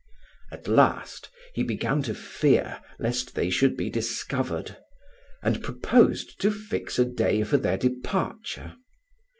At last he began to fear lest they should be discovered, and proposed to fix a day for their departure.